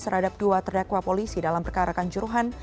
terhadap dua terdakwa polisi dalam perkarakan juruhan